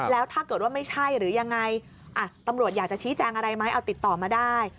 แล้วถ้าเกิดว่าไม่ใช่หรือยังไงตำรวจอยากจะชี้แจงอะไรไหมเอาติดต่อมาได้